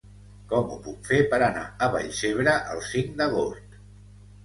Com ho puc fer per anar a Vallcebre el cinc d'agost?